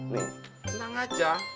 nih tenang aja